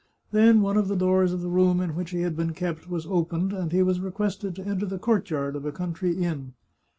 Then one of the doors of the room in which he had been kept was opened, and he was requested to enter the courtyard of a country inn.